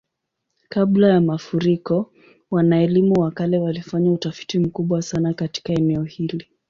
Kabla ya mafuriko, wana-elimu wa kale walifanya utafiti mkubwa sana katika eneo hili.